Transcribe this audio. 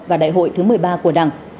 và đại hội thứ một mươi ba của đảng